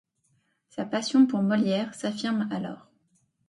Sa passion pour Molière s’affirme alors.